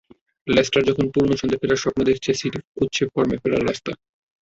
Leicester যখন পুরোনো ছন্দে ফেরার স্বপ্ন দেখছে, সিটি খুঁজছে ফর্মে ফেরার রাস্তা।